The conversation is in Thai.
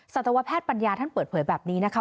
สัตวแพทย์ปัญญาท่านเปิดเผยแบบนี้นะคะ